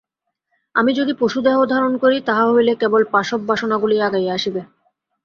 আমি যদি পশু দেহ ধারণ করি, তাহা হইলে কেবল পাশব বাসনাগুলিই আগাইয়া আসিবে।